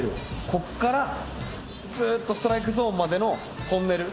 ここからずっとストライクゾーンまでのトンネル。